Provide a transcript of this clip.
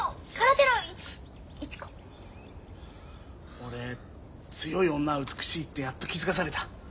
俺強い女は美しいってやっと気付かされた。